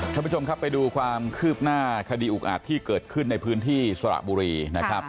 ท่านผู้ชมครับไปดูความคืบหน้าคดีอุกอาจที่เกิดขึ้นในพื้นที่สระบุรีนะครับ